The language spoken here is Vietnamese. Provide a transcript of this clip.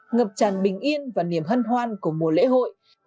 ngập tràn bình yên và niềm hân hoan của mùa lễ hội